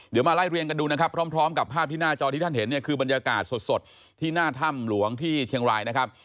เดี๋ยวมาไล่เรียงกันดูนะครับพร้อมกับภาพที่หน้าจอที่ท่านเห็นเนี่ยคือบรรยากาศสดที่หน้าถ้ำหลวงที่เชียงรายนะครับ